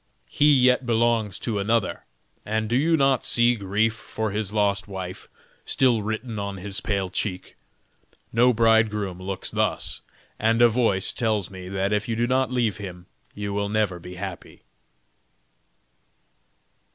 He yet belongs to another; and do you not see grief for his lost wife still written on his pale cheek? No bridegroom looks thus, and a voice tells me that if you do not leave him, you will never be happy."